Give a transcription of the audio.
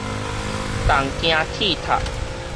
東京鐵塔